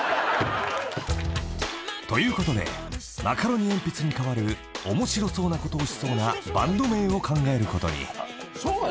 ［ということでマカロニえんぴつに代わる面白そうなことをしそうなバンド名を考えることに］